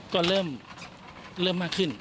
ก็เริ่มมากขึ้น